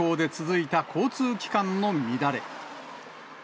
悪天候で続いた交通機関の乱れ。